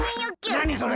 なにそれ？